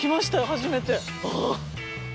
初めて。